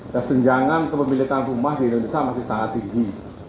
kesenjangan kepemilikan rumah di indonesia masih sangat tinggi